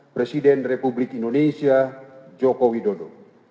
presiden republik indonesia joko widodo